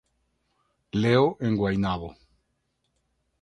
Leo en Guaynabo.